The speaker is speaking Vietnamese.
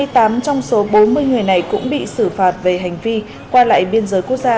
hai mươi tám trong số bốn mươi người này cũng bị xử phạt về hành vi qua lại biên giới quốc gia